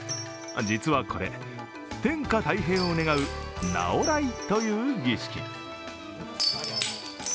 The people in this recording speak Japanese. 実はこれ、天下泰平を願う直会という儀式。